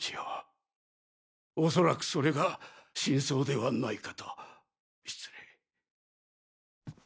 おそらくそれが真相ではないかと失礼。